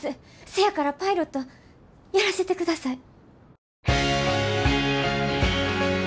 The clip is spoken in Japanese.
せやからパイロットやらせてください。